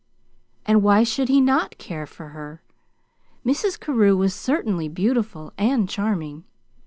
And why should he not care for her? Mrs. Carew was certainly beautiful and charming.